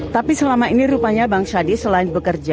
tapi selama ini rupanya bang syadi selain bekerja